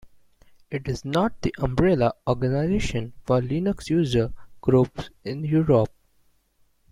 It is "not" the umbrella organisation for Linux User Groups in Europe.